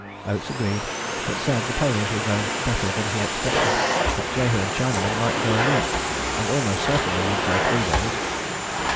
Oates agreed, but said the ponies were going better than he expected: that Jehu and Chinaman might go a week, and almost certainly would go three days.